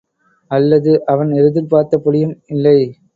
அல்லது அவன் எதிர்பார்த்தபடியும் இல்லை.